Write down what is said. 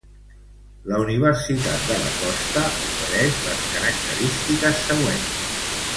La Universitat de la Costa oferix les característiques següents.